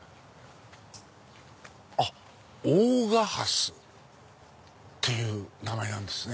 「大賀ハス」っていう名前なんですね。